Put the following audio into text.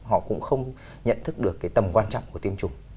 họ cũng không nhận thức được cái tầm quan trọng của tiêm chủng